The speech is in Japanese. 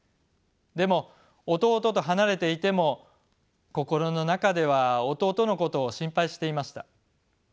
でも弟と離れていても心の中では弟のことを心配していました。